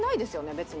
別に。